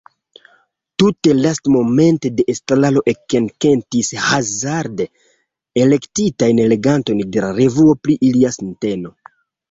Tute lastmomente la estraro ekenketis hazarde elektitajn legantojn de la revuo pri ilia sinteno.